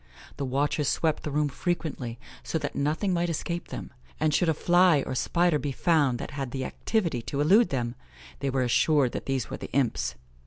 The watchers swept the room frequently, so that nothing might escape them; and should a fly or spider be found that had the activity to elude them, they were assured these were the imps.